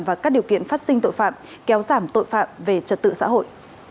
và các điều kiện phát sinh tội phạm kéo giảm tội phạm về trật tự xã hội